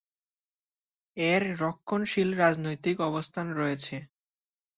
এর রক্ষণশীল রাজনৈতিক অবস্থান রয়েছে।